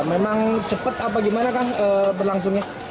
memang cepat apa gimana kan berlangsungnya